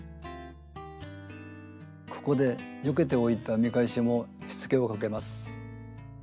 ここでよけておいた見返しもしつけをかけます。